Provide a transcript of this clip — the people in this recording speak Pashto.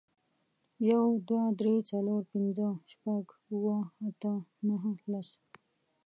يو، دوه، درې، څلور، پينځه، شپږ، اووه، اته، نهه، لس